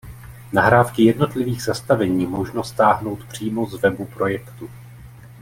Nahrávky jednotlivých zastavení možno stáhnout přímo z webu projektu.